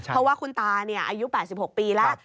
เพราะว่าคุณตาอายุ๘๖ปีแล้ว